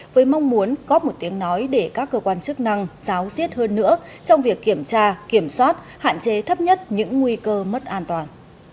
với mong muốn có một tiếng nói để các cơ quan chức năng giáo diết hơn nữa trong việc kiểm tra kiểm soát hạn chế thấp nhất những nguy cơ mất an toàn